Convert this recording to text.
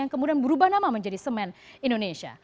yang kemudian berubah nama menjadi semen indonesia